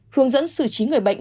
hướng dẫn xử trí người bệnh